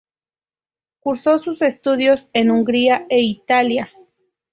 Cursó sus estudios en Hungría e Italia.